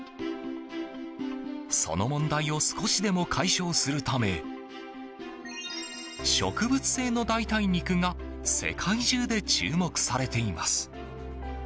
その問題を少しでも解消するため植物性の代替肉が世界中で注目されている。